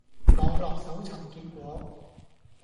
網絡搜尋結果